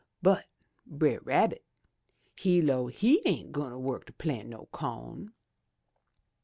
But Brer Rabbit he 'low he ain't gwine wuk to plant no co'n.